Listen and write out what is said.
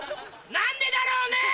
何でだろうね